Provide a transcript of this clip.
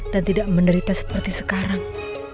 dan tidak menderita seperti sekarang